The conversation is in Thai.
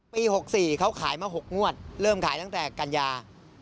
๖๔เขาขายมา๖งวดเริ่มขายตั้งแต่กันยา